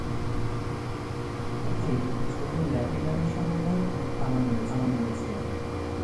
এতে একটি ছোট ল্যাপিডারি সংগ্রহ এবং অনেক কামান রয়েছে।